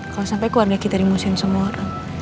kalau sampai keluarga kita dimusuhin sama orang